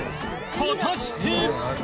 果たして！？